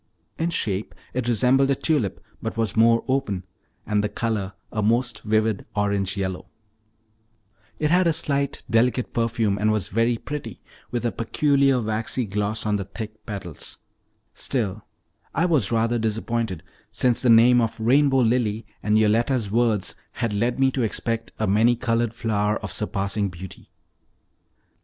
In shape it resembled a tulip, but was more open, and the color a most vivid orange yellow; it had a slight delicate perfume, and was very pretty, with a peculiar waxy gloss on the thick petals, still, I was rather disappointed, since the name of "rainbow lily," and Yoletta's words, had led me to expect a many colored flower of surpassing beauty.